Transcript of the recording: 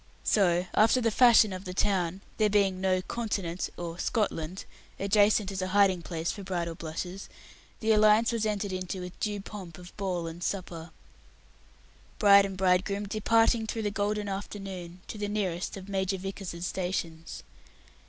So, after the fashion of the town there being no "continent" or "Scotland" adjacent as a hiding place for bridal blushes the alliance was entered into with due pomp of ball and supper; bride and bridegroom departing through the golden afternoon to the nearest of Major Vickers's stations.